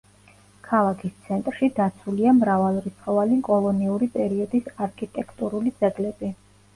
ქალაქის ცენტრში დაცულია მრავალრიცხოვანი კოლონიური პერიოდის არქიტექტურული ძეგლები.